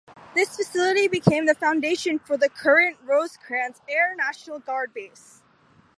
This facility became the foundation for the current Rosecrans Air National Guard Base.